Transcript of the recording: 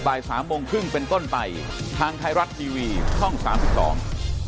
บ่ายสามโมงครึ่งเป็นต้นไปทางไทยรัฐทีวีช่องสามสิบสอง